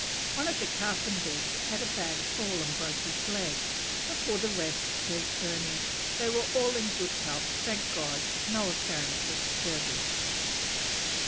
One of the carpenters had a bad fall and broke his leg, but for the rest, says Burney, they were "in good health; thank God, no appearance of scurvy."